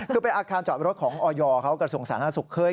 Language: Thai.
คือเป็นอาคารจอดรถของออยเขากระทรวงสาธารณสุขเคย